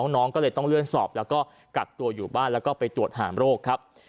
น้องก็เลยต้องเลื่อนสอบแล้วก็กักตัวอยู่บ้านแล้วก็ไปตรวจหามโรคครับ